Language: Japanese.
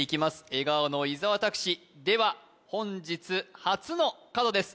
笑顔の伊沢拓司では本日初の角です